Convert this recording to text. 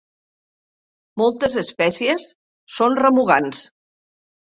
Moltes espècies són remugants.